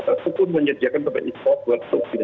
satu pun menyediakan tempat istirahat buat sopir